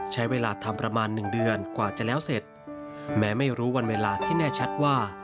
ใช้เวลาทำประมาณหนึ่งเดือนกว่าจะแล้วเสร็จแม้ไม่รู้วันเวลาที่แน่ชัดว่า